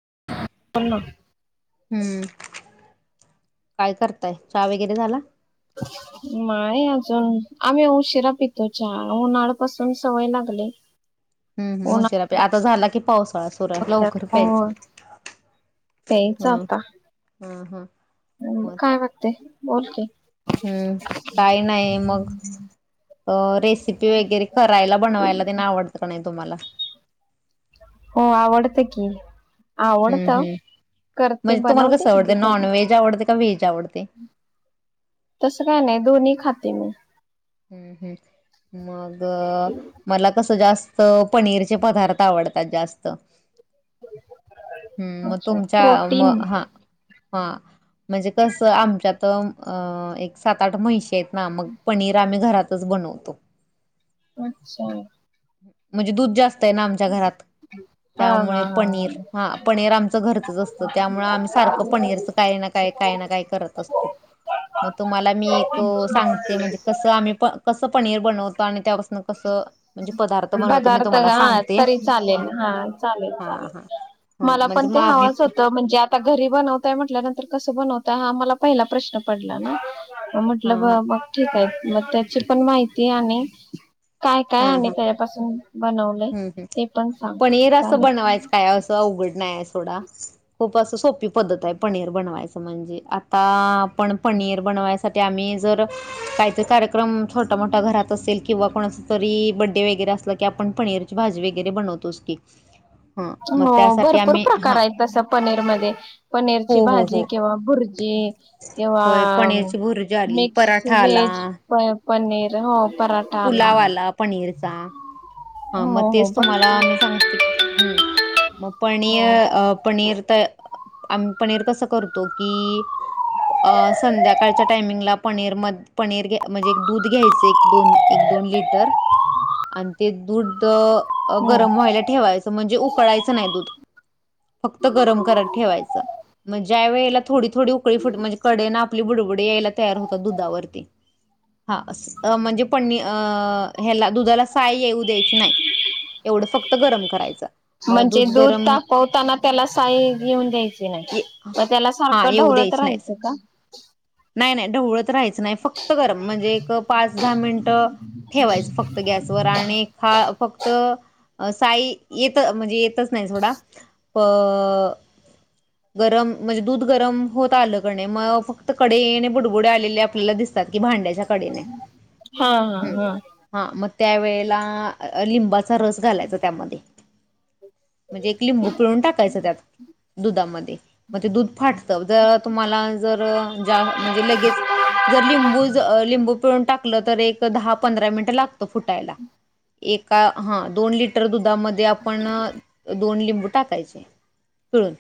[unintelligible] हम्म काय करताय चहा वगैरे झाला. माय अजून आम्ही उशिरा पितो चहा उन्हाळ्या पाासून सवय लागली. हम्म उशिरा प्या उन्हाळ्यात आता झाला की पावसाळा सुर लवकर प्यायज प्यायच आता. ह हा. मग काय बगते बोल की. हम्म काही नाही मग. अ रेसिपी वगैरे करायला बनवायला तेना आवडत का नाही तुम्हाला. आवडत की आवडत. हम्म हम्म करते म्हणजे तुम्हाला बनवते कसं कधी आवडते कधी. नॉनव्हेज आवडते का व्हेज आवडते तसं काय नाही दोन्ही खाते मी. ह् ह् मग मला कसं जास्त. पनीरचे पदार्थ आवडतात जास्त. हम्म मग अच्छा तुमच्या मग प्रोटीन हा. हा म्हणजे कसं आमच्यात अ एक सात आठ म्हहिश आहेत ना मग पनीर आम्ही घरातच बनवतो. अच्छा. म्हणजे दूध जास्त आहे ना आमच्या घरात हा हा त्यामुळे पनीर. हा हा पनीर आमचं घरचंच असतं त्यामुळे आम्ही सारखं पनीरच काही ना काय काही ना काय करत असतो. मग तुम्हाला मी एक सांगते म्हणजे कस आम्ही कस पनीर बनवतो आणि. त्यापासन कस म्हणजे पदार्थ बनवतो मी पदार्थ तुम्हाला हा सांगते तरी चालेल हा चालेल हा चालेल हा हा मला पण म्हणजे ते मग आम्ही हवाच होतं म्हणजे आता घरी बनवताय म्हटल्यानंतर कसं कोण होता मला पहिला प्रश्न पडला ना हा हा म्हटलं मग ठीक आहे. मग त्याची पण माहिती आणि काय काय आणि त्याच्यापासून बन हमं हम् हम् पनीर असं बनवायचं काय असं अवघड नाही असं थोडा खूप असं सोपी पद्धत आहे पनीर बनवायचं म्हणजे आता [inaudible] पण पनीर बनवायचं ते आम्ही जर काहीतरी कार्यक्रम छोटा मोठा घरात असेल किंवा कोणाचा तरी बड्डे वगैरे बड्डे असला की आपण पनीरची भाजी वगैरे बनवतोच की ह मग हो त्यासाठी भरपूर आम्ही प्रकार हा आहेत तसं पनीर मध्ये पनीरची हो हो हो भाजी किंवा भुर्जी किंवा होय पनीरची भुर्जी आली मिक्स पराठा आला व्हेज पनीर हो पुलाव आला पनीर चा हा मग हो हो तेच तुम्हांला मी बरोबर सांगते की हम मग हो पनीर अं पनीर तर आम्ही पनीर कसं करतो की अ संध्याकाळच्या टायमिंगला पनीर म पनीर म्हणजे एक दूध घ्यायच एक दोन एक दोन दोन लिटर आणि ते दूध अ हो. गरम व्हायला ठेवायचं म्हणजे उकळायचं नाही दूध फक्त गरम करत ठेवायचं मग ज्या वेळेला थोडी थोडी उकळी फुट म्हणजे कडेन आपली बुडबुडी यायला तयार होतात दुधावरती हा म्हणजे पनी अ ह्या दुधाला साई येऊ द्यायची नाही एवढं फक्त गरम करायचं मग म्हणजे दूध गरम तापवताना त्याला साई येऊ द्यायची नाही ये मग त्याला हा सारखं येऊ ढवळत [unintelligible] द्यायच नाही राहायचं का नाही नाही ढवळत राहायचं नाही फक्त गरम म्हणजे पाच दहा मिनटं ठेवायच फक्त गॅसवर [unintelligible] हा फक्त अ साई येतं म्हणजे येतच नाही सोडा अ गरम म्हणजे दूध गरम होत आलं कणी मग फक्त कडेन बुडबुडे आलेले आपल्याला दिसतात भांड्याच्या कडेने हा हम हा हा मग त्या वेळेला लिंबाचा रस घालायचा त्यामध्ये म्हणजे एक लिंबू पिळून टाकायचं त्यात दुधामध्ये मग ते दूध फाटतं जर तुम्हाला जर जास् म्हणजे लगेच जर लिंबू जर लिंबू पिळून टाकलं तर एक दहा पंधरा मिनिटं लागत फुटायला एका हा दोन लिटर दुधामध्ये आपण दोन लिंबू टाकायचे पिळून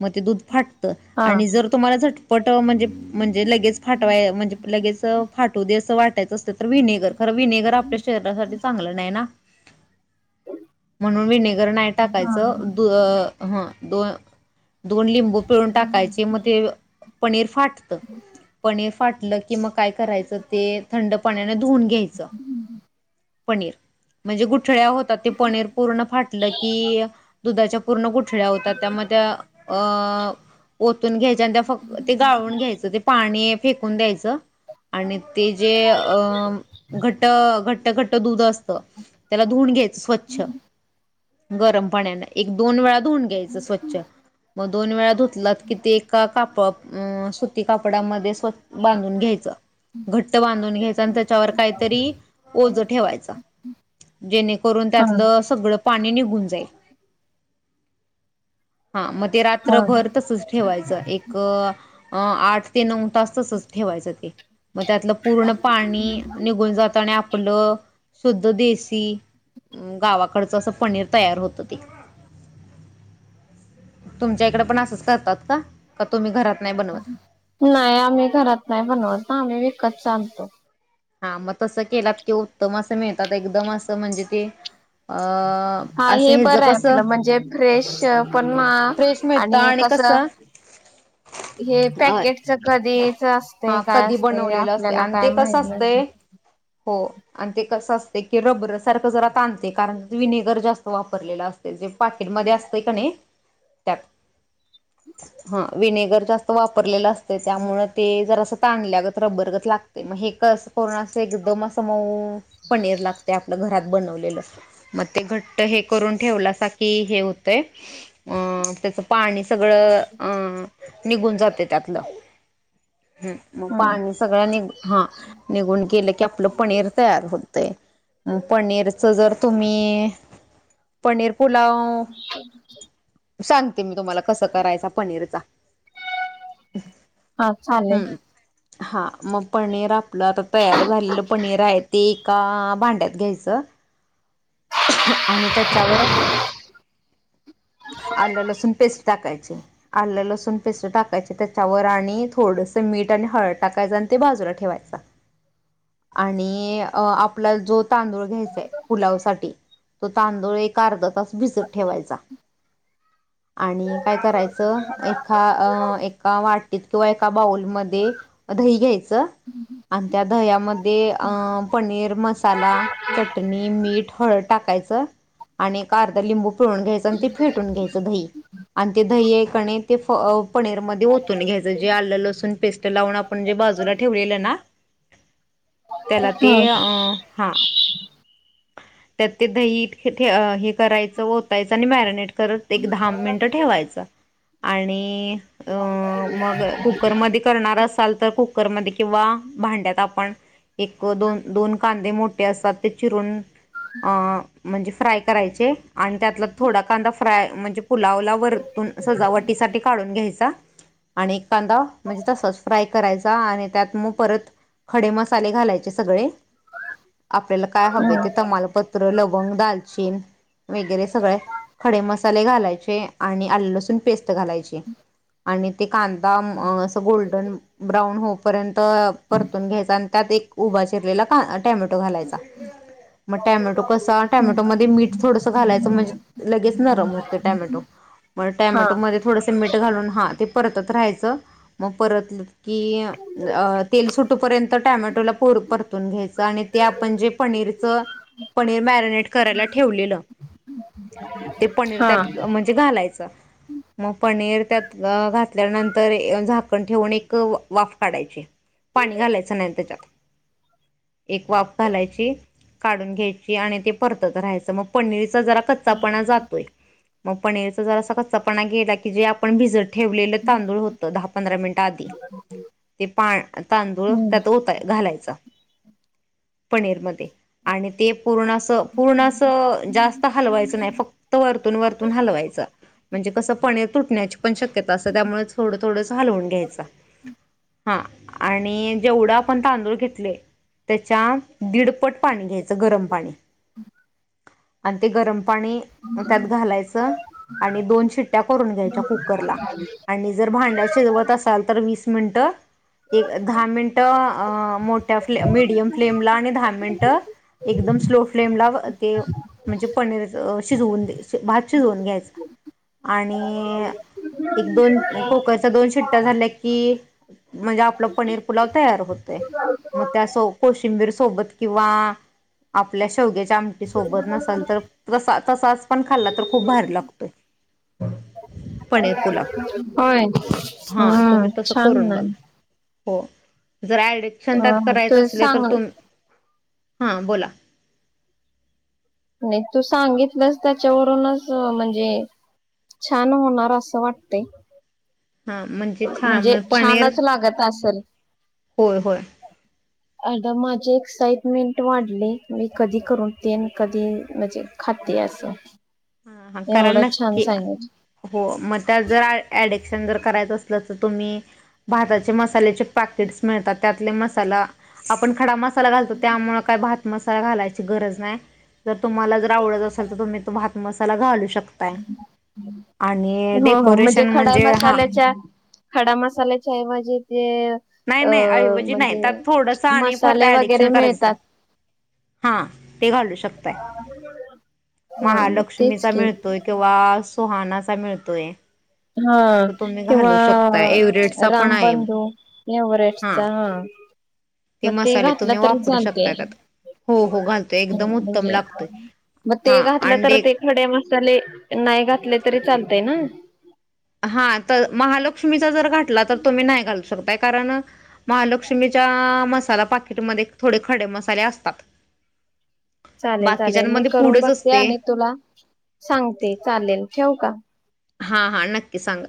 मग ते दूध फाटत हा आणि जर तुम्हाला झटपट म्हणजे म्हणजे लगेच फाटवायच म्हणजे लगेच फाटू दे असं वाटत असल तर विनेगर खर विनेगर आपल्या शरीरासाठी चांगलं नाही ना म्हणून विनेगर नाही हा टाकायचं दू ह दोन दोन लिंबू पिळून टाकायचे मग ते पनीर फाटतं पनीर फाटलं कि मग काय करायचं ते थंड पाण्याने धुवून घ्यायचं पनीर म्हणजे गु गुठळ्या होतात ते पनीर पूर्ण फाटलं की दुधाच्या पूर्ण गुठळ्या होतात त्यामुळे त्या अ ओतून घ्यायच्या आणि त्या फक्त ते गाळून घ्यायचं ते पाणी फेकून द्यायचं आणि ते जे अ घठ्ठ घठ्ठ घठ्ठ घठ्ठ दूध असतं त्याला धूवून घ्यायच स्वच्छ गरम पाण्याने एक दोन वेळा धून घ्यायचं स्वच्छ मग दोन वेळा धुतलात किती ताक आपोआप अ सुती कापड्यामध्येच परत बांधून घ्यायच, घट्ट बांधून घ्यायचं आणि त्याच्यावर काहीतरी ओझ ठेवायच जेणेकरून हा हा त्यातलं सगळं पा पाणी निघून जाईल. हा म ते हा रात्रभर तसच ठेवायचं एक आठ ते नऊ तास तसंच ठेवायचं ते मग, त्यातल पूर्ण पाणी निघून जात आणि आपलं शुद्ध देसी गावाकडचं असं पनीर तयार होत ते. तुमच्या इकडे पण असंच करतात का? का तुम्ही घरात नाही बनवत नाही आम्ही घरात नाही बनवत ना आम्ही विकतच आणतो. हा मग तसं केलात कि उत्तम असं मिळतात, एकदम असं म्हणजे ते अ हा असं हे हेज बरं आहे कसं आपलं म्हणजे फ्रेश पण फ्रेश मिळत आणि आणि कसं [inaudible] हे होय पॅकेटच कधीच असतय? हा काय कधी असतय? बनवलेलं असते आपल्याला आणि काय कसं माहित ना ते हो आणि ते कसं असतं की, रबर सारखं जरा ताणते कारण विनेगर जास्त वापरलेलं असते जे पाकेट मध्ये असतंय कनय त्यात हा विनेगर जास्त वापरलेलं अस त त्यामुळे ते जरा असं ताणल्यागत रबरगत लागतय मग हे कस करुन असं एकदम असं मऊ पनीर लागतंय, आपलं घरात बनवलेलं मग ते घट्ट हे हे करुन ठेवलासा कि हे होतंय पाणी सगळं अं निघून जातय त्यातलं. हम्म मग पाणी सगळं नि हा निघून गेलं की, आपलं पनीर तयार होत तय पनीरच जर तुम्ही पनीर पुलाव [inaudible] सांगते मी. तुम्हाला कसं करायचा पनीरचा? हा चालेल. हम्म. हा मग पनीर आप ल आता तयार झालेलं पनीर आहे, ते एका भांड्यात घ्यायचं. [unintelligible] आणि त्याच्यावर आलं लसूण पेस्ट टाकायच आलं लसूण पेस्ट टाकायचं त्याच्यावर आणि थोडस मीठ आणि हळद टाकायचं आणि ते भाजून म ठेवायचा आणि अ आपला जो तांदूळ घ्यायचाय पुलाव साठी तो तांदूळ एक अर्धा तास भिजत ठेवायचा आणि काय करायचं एका अ एक का वाटीत किंवा एका बाउलमध्ये दही घ्यायचं आणि त्या दह्यामध्ये अ पनीर मसाला चटणी मीठ हळद टाकाय च आणि एक अर्धा लिंबू पिळून घ्यायच आणि ते फेटून घ्यायचं दही आणि ते दही कणे ते फ अ पनीरमध्ये ओतून घ्यायचं, जे आलं लसून पेस्ट लावून आपण जे बाजूला ठेवलेलं ना त्याला ते हम्म अ हा [inaudible] त्यात ते दहीत अ हे करायचं ओतायचं आणि मॅरिनेट करत एक दहा मिनिटं ठेवायचं. आणि अ मग कुकरमध्ये करणार असाल तर कुकरमध्ये किंवा भांड्यात आपण एक दोन दोन कांदे मोठे असतात, ते चिरून अ म्हणजे फ्राय करायचे आणि त्यातला थोडा कांदा फ्राय, म्हणजे पुलावला वरतून सजावटीसाठी काढून घ्यायचा आणि कांदा म्हणजे तसाच फ्राय करायचा आणि त्यात म परत खडे मसाले घालायचे सगळे, आपल्याला काय हवे ते. हम्म तमालपत्र, लवंग, दालचीन वगैरे सगळे खडे मसाले घालायचे आणि आल लसूण पेस्ट घालायची. आणि ते कांदा अस गोल्डन ब्राऊन होऊपर्यंत परतून घ्यायच. उभ चिरलेला टोमॅटो घालायचा. मग टोमॅटो कसं टोमॅटोमध्ये मीठ थोडंसं घालायचं म्हणजे लगेच. नरम होतंय टोमॅटो मग हा टोमॅटो मध्ये थोडंसं मीठ घालून हा ते परतत राहायच मग परतल की तेल सुटेपर्यंत टोमॅटोला पर परतून घ्यायचं आणि ते आपण जे पनीरच. पनीर मॅरिनेट करायला ठेवलेलं. ते पनीर हा त्यात म्हणजे घालायचं. मग पनीर त्यात घातल्यानंतर झाकण ठेवून एक वाफ काढायची. पाणी घालायचं नाही त्याच्यात एक वाफ घालायची. काढून घ्यायची आणि ते परतत राहायचं मग पनीरचा जरा कच्चापणा जातोय. मग पनीरच जर असा कच्चापणा गेला की जे आपण भिजत ठेवलेलं तांदूळ होतं दहा पंधरा मिनटं आधी ते पा तांदूळ हम्म त्यात होता घालायचा. पणेरमध्येध्ये आणि ते पूर्ण अस पूर्ण अस जास्त हलवायचं नाही फक्त वरतून वरतून हलवायचं. म्हणजे कसं पनीर तुटण्याची पण शक्यता असत त्यामुळे थोडं थोडं हलवून घ्यायच. हा आणि जेवढं आपण तांदूळ घेतले त्याच्या दीडपट पाणी घ्यायचं गरम पाणी आणि ते गरम पाणी त्यात घालायचं. आणि दोन शिट्ट्या करून घ्यायच्या कुकरला आणि जर भांड्याचे जवत असाल तर वीस मिनिटं. एक दहा मिनिटं मोठ्या फ्ले मिीडियम फ्लेमला आणि दहा मिनिटं. एकदम स्लो फ्लेमला ते म्हणजे पनीर शिजवून भात शिजवून घ्यायच. आणि एक दोन कोकरचा दोन शिट्टा झाल्या की म्हणजे आपलं पनीर पुलाव तयार होतय. मग त्यास कोशिंबीर सोबत किंवा आपल्या शेवग्याच्या आमटी सोबत नसाल तर तसा तसाच पण खाल्ला तर खूप भारी लागतोय. पण होय हा हम्म तुम्ही तस छान करून आहे. बघ. हो जर ऍडिक्शन हा त्यात तू करायचं असल तर सांग तुम हा बोला. नाही तू सांगितलंस त्याच्यावरूनच म्हणजे छान होणार असं वाटते. हां म्हणजे छान म्हणजे छानच लागत असेल. हो होय. आता माझे एक्साइटमेंट वाढले मी कधी करून तेन कधी म्हणजे खात. दि असस हा हा करा नक्की हो मग त्या जर ऍडिक्शन जर करायचं. तर तुम्ही भाताचे मसाल्याचे पाकेटस मिळतात. त्यातले मसाला आपण खडा मसाला घालतो त्यामुळे काय भ हात मसाला घालायची गरज नाही जर तुम्हाला जर आवडत असेल तर तुम्ही त भात मसाला घालू शकता. वक्तां हो हो म्हणजे खडा हा मसाल्याच्या खडा मसाल्याच्या आहेऐवजी नाही अ नाही ऐवजी नाही म्हणजे त्यात थोडंसं मसाले वगैरे मिळतात. हा ते घलच. हा मग तेच महालक्ष्मीचा की मिळतोय किंवा सुहानासा मिळतोय. हा तो तुम्ही किंवा घालू शकता एव्हरेटचा पण आहे रामबंधू नवेटचा हा मग ते मसाले घातलं तुम्ही तरी वापरू चालते शकता त्यात हो हो घालतोय एकदम उत्तम म्हणजे लागतोय मग ते हा घातलं तर अंडे ते खडे मस्त चले नाही घातले तरी चालतय ना हा तर महालक्ष्मीचा जर घाठला तर तुम्ही नाही घाल शकताय कारण महालक्ष्मीच्या मसाला पाकिटमध्ये थोडे खडे मसाले असतात [inaudible] चालेल चालेल मी बाकीच्यांमध्ये करून पुढच बघते असते आणि तुला सांगते चालेल ठेव का हा हा नक्की सांगा